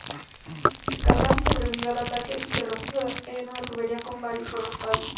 Gadafi sobrevivió al ataque y se refugió en una tubería con varios guardaespaldas.